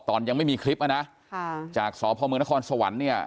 ตอนยังไม่มีคลิปอ่ะนะค่ะจากสพมนครสวรรค์เนี่ย